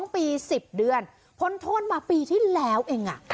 ๒ปี๑๐เดือนพ้นโทษมาปีที่แล้วเอง